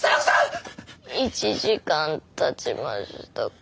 １時間たちましたか？